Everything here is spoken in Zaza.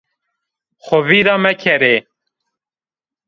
Xo vîr ra mekerê!